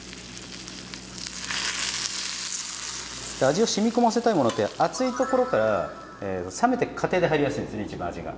味をしみこませたいものって熱いところから冷めてく過程で入りやすいんですね一番味が。